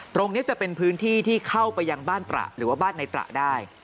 ตรงนี้จะเป็นพื้นที่ที่เข้าไปยังบ้านตระหรือว่าบ้านในตระได้